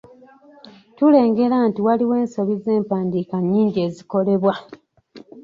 Tulengera nti waliwo ensobi z’empandiika nnyingi ezikolebwa.